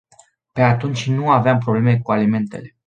Pe atunci nu aveam probleme cu alimentele.